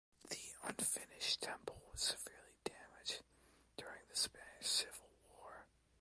The unfinished temple was severely damaged during the Spanish Civil War.